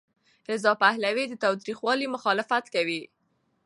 رضا پهلوي د تاوتریخوالي مخالفت کوي.